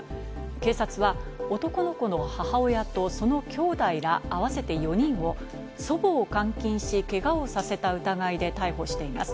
警察は男の子の母親と、そのきょうだいら合わせて４人を、祖母を監禁し、けがをさせた疑いで逮捕しています。